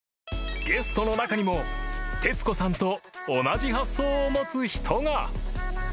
［ゲストの中にも徹子さんと同じ発想を持つ人が］